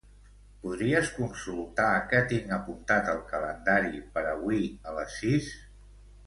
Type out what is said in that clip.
Podries consultar què tinc apuntat al calendari per avui a les sis?